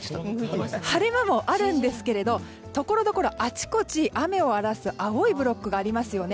晴れ間もあるんですけれどもところどころあちこち、雨を荒らす青いブロックがありますよね。